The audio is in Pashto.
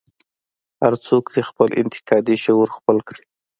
هر څوک دې خپل انتقادي شعور خپل کړي.